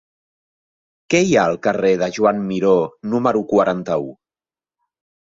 Què hi ha al carrer de Joan Miró número quaranta-u?